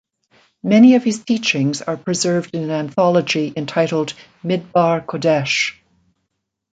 Many of his teachings are preserved in an anthology entitled "Midbar Kodesh".